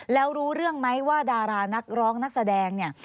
แล้วรู้เรื่องไหมว่าดารานักร้องนักแสดงเนี่ย